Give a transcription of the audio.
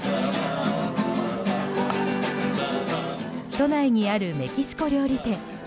都内にあるメキシコ料理店。